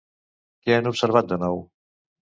Què han observat de nou?